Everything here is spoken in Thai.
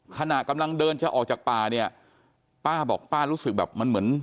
ขณะกำลังเดินจะออกจากป่าเนี่ยป้าบอกป้ารู้สึกแบบมันเหมือน